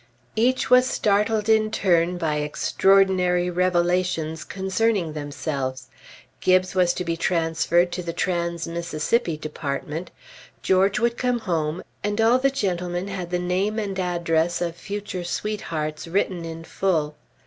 Each was startled in turn by extraordinary revelations concerning themselves. Gibbes was to be transferred to the Trans Mississippi Department, George would come home, and all the gentlemen had the name and address of future sweethearts written in full.